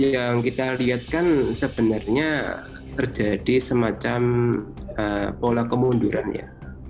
yang kita lihatkan sebenarnya terjadi semacam pola kemundurannya